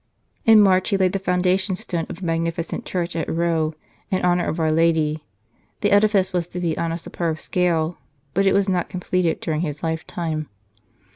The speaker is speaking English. In March he laid the foundation stone of a magnificent church at Rho, in honour of our Lady. This edifice was to be on a superb scale, but it was not completed during his lifetime.